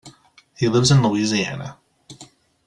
He lives in Louisiana.